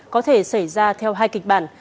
có thể xảy ra theo hai kịch bản